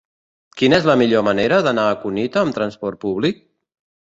Quina és la millor manera d'anar a Cunit amb trasport públic?